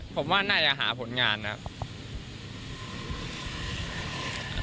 ผมว่าน่าจะหาผลงานนะครับ